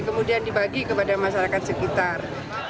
kemudian dibagi kepada masyarakat sekitar